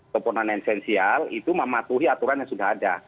keponan esensial itu mematuhi aturan yang sudah ada